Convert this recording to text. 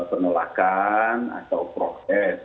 penolakan atau protes